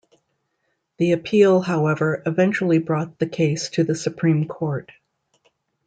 The appeal, however, eventually brought the case to the Supreme Court.